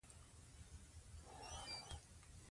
ماشومان د لوبو له لارې د خپلو غلطیو اصلاح زده کوي.